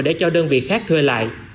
để cho đơn vị khác thuê lại